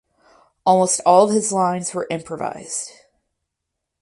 Almost all of his lines were improvised.